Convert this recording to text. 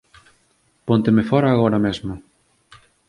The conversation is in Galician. Pónteme fóra agora mesmo!